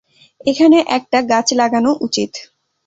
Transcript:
এখানে একটা গাছ লাগানো উচিৎ।